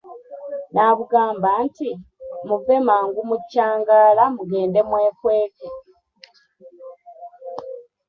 N'abugamba nti, muve mangu mu kyangaala mugende mwekweke.